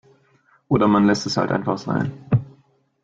Oder man lässt es halt einfach sein.